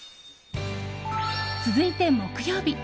続いて、木曜日。